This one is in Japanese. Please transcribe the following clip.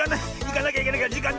いかなきゃいかなきゃ。